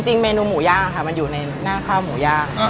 จริงเมนูหมูย่างอยู่ในหน้าข้าวหมูย่าง